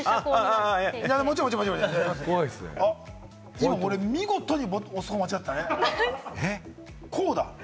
今、俺、見事に押すところ間違ってたね。